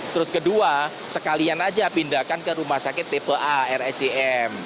terus kedua sekalian saja pindahkan ke rumah sakit tpa recm